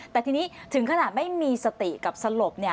แต่ทีนี้ถึงขนาดไม่มีสติกับสลบ